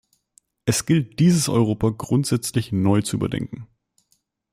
Es gilt dieses Europa grundsätzlich neu zu überdenken.